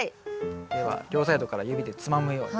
では両サイドから指でつまむように。